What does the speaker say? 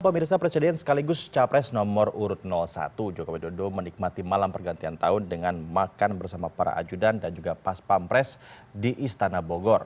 pemirsa presiden sekaligus capres nomor urut satu jokowi dodo menikmati malam pergantian tahun dengan makan bersama para ajudan dan juga pas pampres di istana bogor